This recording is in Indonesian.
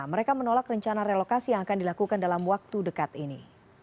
mereka menolak rencana relokasi yang akan dilakukan dalam waktu dekat ini